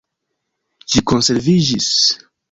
Ĝi konserviĝis.